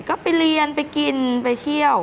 ก็ไปเรียนไปกินไปเที่ยว